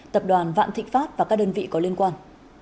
tập đoàn vạn thịnh pháp và các đơn vị có liên quan